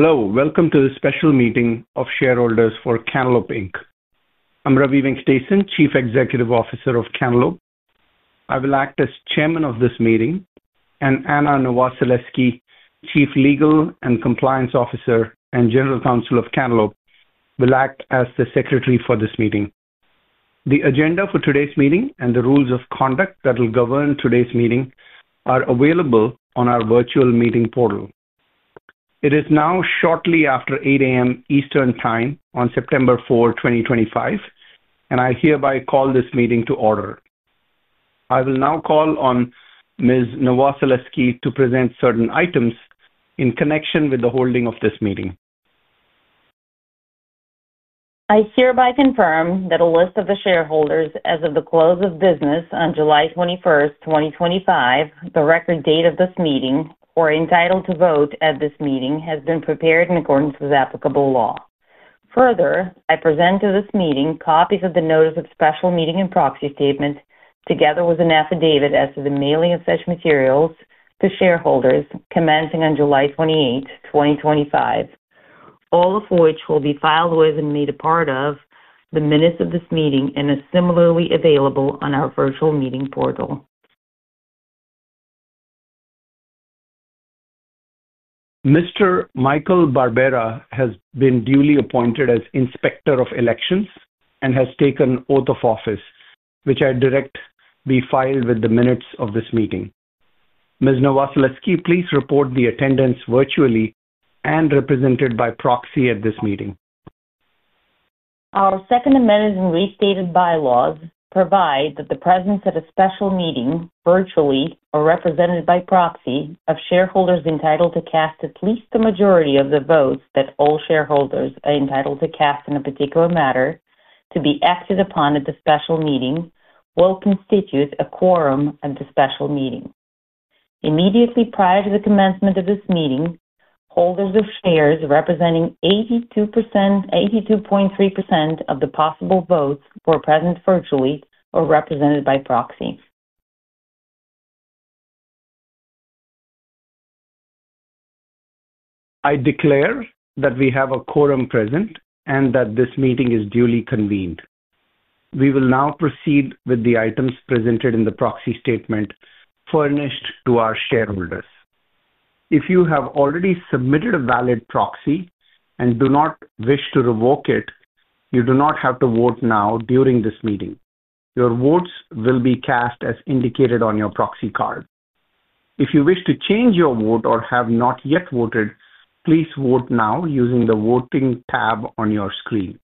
Hello, welcome to the special meeting of shareholders for Cantaloupe, Inc. I'm Ravi Venkatesan, Chief Executive Officer of Cantaloupe. I will act as chairman of this meeting, and Anna Novoseletsky, Chief Legal and Compliance Officer and General Counsel of Cantaloupe will act as the secretary for this meeting. The agenda for today's meeting and the rules of conduct that will govern today's meeting are available on our virtual meeting portal. It is now shortly after 8 A.M. Eastern Time on September 4, 2025, and I hereby call this meeting to order. I will now call on Ms. Novoseletsky to present certain items in connection with the holding of this meeting. I hereby confirm that a list of the shareholders as of the close of business on July 21st, 2025, the record date of this meeting or entitled to vote at this meeting, has been prepared in accordance with applicable law. Further, I present to this meeting copies of the notice of special meeting and proxy statement, together with an affidavit as to the mailing of such materials to shareholders commencing on July 28, 2025. All of which will be filed with and made a part of the minutes of this meeting, and is similarly available on our virtual meeting portal. Mr. Michael Barbera has been duly appointed as Inspector of Elections and has taken oath of office, which I direct be filed with the minutes of this meeting. Ms. Novoseletsky, please report the attendance virtually and represented by proxy at this meeting. Our second amended and restated bylaws provide that the presence at a special meeting, virtually or represented by proxy, of shareholders entitled to cast at least the majority of the votes that all shareholders are entitled to cast in a particular matter to be acted upon at the special meeting, will constitute a quorum at the special meeting. Immediately prior to the commencement of this meeting, holders of shares representing 82%, 82.3% of the possible votes were present virtually or represented by proxy. I declare that we have a quorum present and that this meeting is duly convened. We will now proceed with the items presented in the proxy statement furnished to our shareholders. If you have already submitted a valid proxy and do not wish to revoke it, you do not have to vote now during this meeting. Your votes will be cast as indicated on your proxy card. If you wish to change your vote or have not yet voted, please vote now using the voting tab on your screen.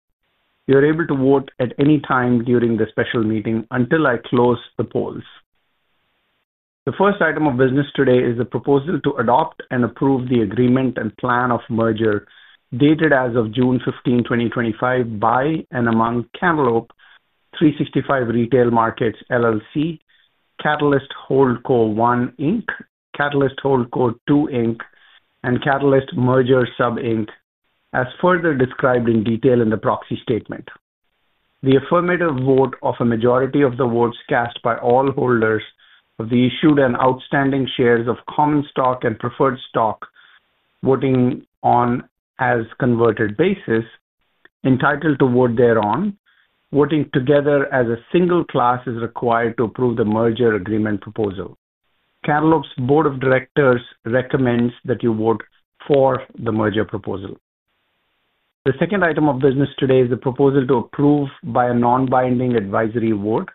You're able to vote at any time during the special meeting, until I close the polls. The first item of business today is the proposal to adopt and approve the Agreement and Plan of Merger dated as of June 15, 2025, by and among Cantaloupe, 365 Retail Markets, LLC, Catalyst Holdco I, Inc., Catalyst Holdco II, Inc., and Catalyst Merger Sub, Inc., as further described in detail in the proxy statement. The affirmative vote of a majority of the votes cast by all holders of the issued and outstanding shares of common stock and preferred stock, voting on as-converted basis, entitled to vote thereon, voting together as a single class, is required to approve the merger agreement proposal. Cantaloupe's board of directors recommends that you vote for the merger proposal. The second item of business today is the proposal to approve, by a non-binding advisory vote,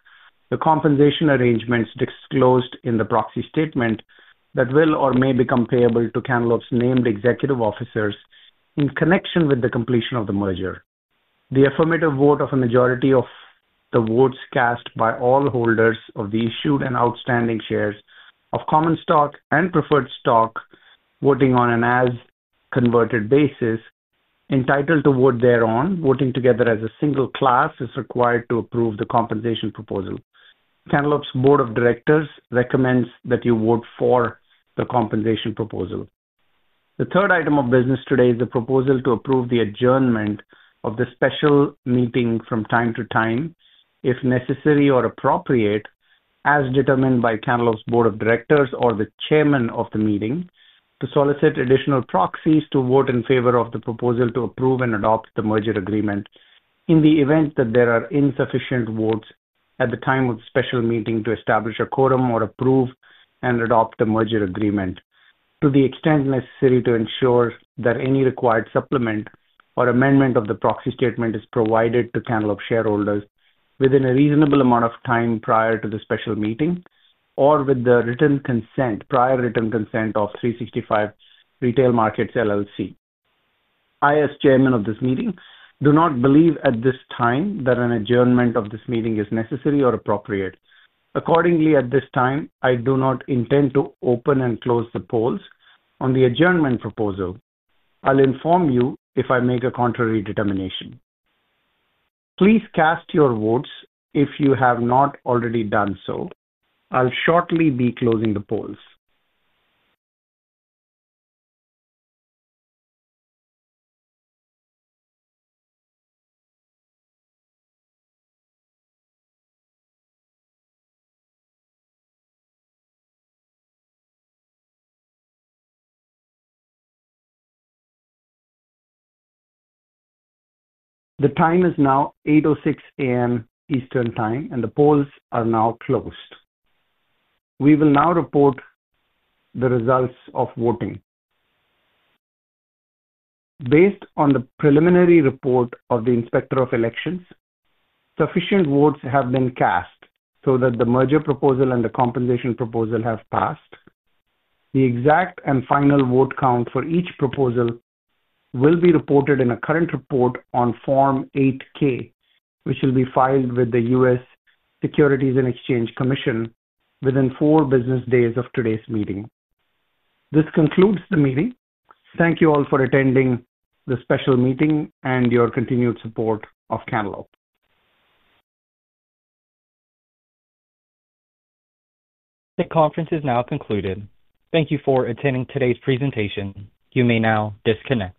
the compensation arrangements disclosed in the proxy statement that will or may become payable to Cantaloupe's named executive officers, in connection with the completion of the merger. The affirmative vote of a majority of the votes cast by all holders of the issued and outstanding shares of common stock and preferred stock, voting on an as-converted basis, entitled to vote thereon, voting together as a single class, is required to approve the compensation proposal. Cantaloupe's board of directors recommends that you vote for the compensation proposal. The third item of business today is the proposal to approve the adjournment of the special meeting from time to time, if necessary or appropriate, as determined by Cantaloupe's board of directors or the chairman of the meeting, to solicit additional proxies, to vote in favor of the proposal to approve and adopt the merger agreement, in the event that there are insufficient votes at the time of the special meeting to establish a quorum or approve and adopt the merger agreement, to the extent necessary to ensure that any required supplement or amendment of the proxy statement is provided to Cantaloupe shareholders, within a reasonable amount of time prior to the special meeting or with the prior written consent of 365 Retail Markets, LLC. I, as chairman of this meeting, do not believe at this time that an adjournment of this meeting is necessary or appropriate. Accordingly, at this time, I do not intend to open and close the polls on the adjournment proposal. I'll inform you if I make a contrary determination. Please cast your votes if you have not already done so. I'll shortly be closing the polls. The time is now 8:06 A.M. Eastern Time, and the polls are now closed. We will now report the results of voting. Based on the preliminary report of the Inspector of Elections, sufficient votes have been cast so that the merger proposal and the compensation proposal have passed. The exact and final vote count for each proposal will be reported in a current report on Form 8-K, which will be filed with the U.S. Securities and Exchange Commission within four business days of today's meeting. This concludes the meeting. Thank you all for attending the special meeting and your continued support of Cantaloupe. The conference is now concluded. Thank you for attending today's presentation. You may now disconnect.